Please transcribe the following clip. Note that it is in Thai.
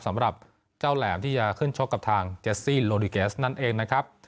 สำหรับเจ้าแหลมที่จะขึ้นชกกับทางเจสซี่โลดิเกสนั่นเองนะครับ